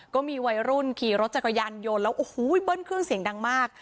ก็มีวัยรุ่นขี่รถจักรยานยนต์แล้วโอ้โหเบิ้ลเครื่องเสียงดังมาก